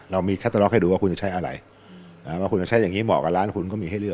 เรามีคัตเตอร์ล็อกให้ดูว่าคุณจะใช้อะไรว่าคุณจะใช้อย่างนี้เหมาะกับร้านคุณก็มีให้เลือก